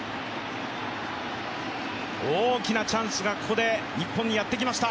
大きなチャンスがここで日本にやってきました。